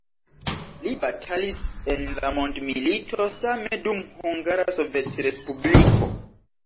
Li batalis en la mondomilito, same dum Hungara Sovetrespubliko.